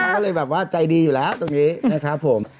ก็เลยแบบว่าใจดีอยู่แล้วตรงนี้นะครับผม